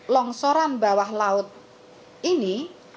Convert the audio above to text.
longsoran bawah laut ini